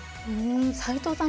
齊藤さん